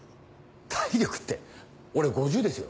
体力って俺５０ですよ。